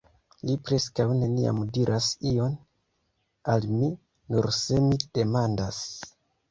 Li preskaŭ neniam diras ion al mi..., nur se mi demandas.